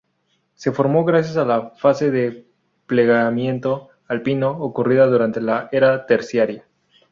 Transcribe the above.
Se formó gracias a la fase de plegamiento alpino, ocurrida durante la Era terciaria.